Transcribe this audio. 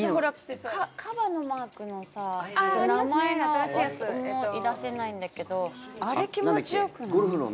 カバのマークのさ名前が思い出せないんだけどあれ気持ちよくない？